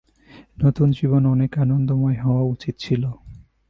নতুন জীবন অনেক আনন্দময় হওয়া উচিত ছিল।